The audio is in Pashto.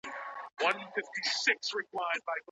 ښوروا کمزوری خوراک نه دی.